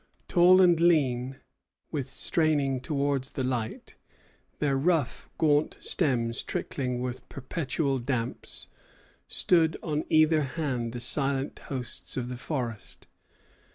Tall and lean with straining towards the light, their rough, gaunt stems trickling with perpetual damps, stood on either hand the silent hosts of the forest.